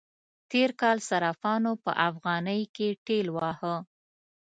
تېر کال صرافانو په افغانی کې ټېل واهه.